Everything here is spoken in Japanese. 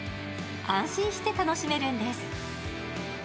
安心して楽しめるんです。